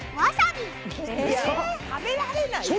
食べられないよ。